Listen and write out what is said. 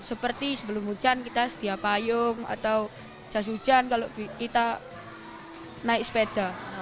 seperti sebelum hujan kita setia payung atau jas hujan kalau kita naik sepeda